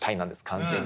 完全に。